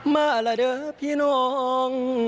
มาละเด้อพี่น้อง